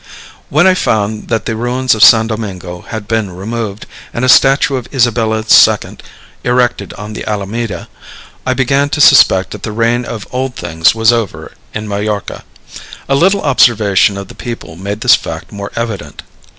When I found that the ruins of San Domingo had been removed, and a statue of Isabella II. erected on the Alameda, I began to suspect that the reign of old things was over in Majorca. A little observation of the people made this fact more evident.